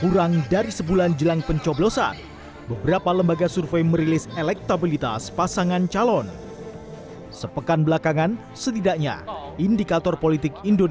bagaimana panggung debat bernie enjoin suhu untuk menunjukan elektabilitas tumbe hebat di mana rakan knmax dr info